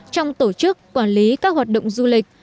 trong tổ chức quản lý các hoạt động du lịch